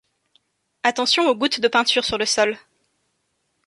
attention aux gouttes de peinture sur le sol